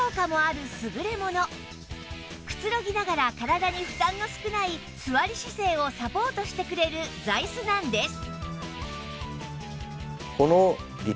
くつろぎながら体に負担の少ない座り姿勢をサポートしてくれる座椅子なんです